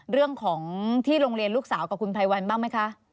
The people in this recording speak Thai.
เรื่องของที่โรงเรียนลูกสาวกับคุณภัยวันบ้างไหมคะ